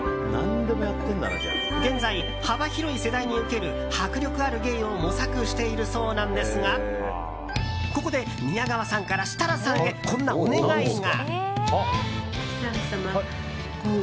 現在、幅広い世代にウケる迫力ある芸を模索しているそうなんですがここで、宮川さんから設楽さんへこんなお願いが。